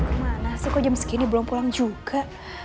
gimana sih kok jam segini belum pulang juga